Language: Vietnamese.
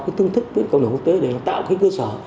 cái tương thức với cộng đồng quốc tế để tạo cái cơ sở